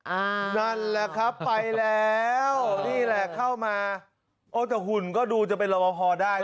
นั่นแหละครับไปแล้วนี่แหละเข้ามาโอ้แต่หุ่นก็ดูจะเป็นรอบพอได้